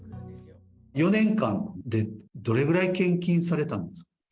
４年間でどれぐらい献金されたんですか。